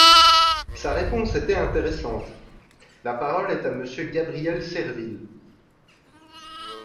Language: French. Sa réponse était intéressante ! La parole est à Monsieur Gabriel Serville.